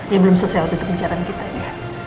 ya belum selesai waktu itu pembicaraan kita ya